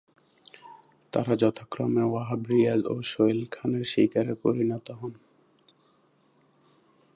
তারা যথাক্রমে ওয়াহাব রিয়াজ ও সোহেল খানের শিকারে পরিণত হন।